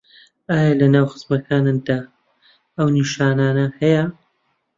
ئایا لەناو خزمەکانتدا ئەو نیشانانه هەیە